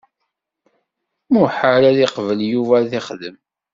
Muḥal ad iqbel Yuba ad t-ixdem.